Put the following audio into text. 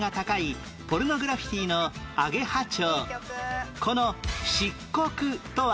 このポルノグラフィティの『アゲハ蝶』。